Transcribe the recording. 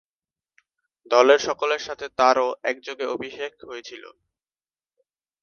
দলের সকলের সাথে তারও একযোগে অভিষেক হয়েছিল।